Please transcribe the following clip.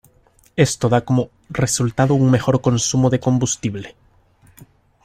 Esto da como resultado un mejor consumo de combustible.